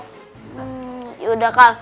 hmm yaudah kal